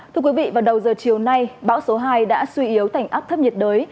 thưa quý vị vào đầu giờ chiều nay bão số hai đã suy yếu thành áp thấp nhiệt đới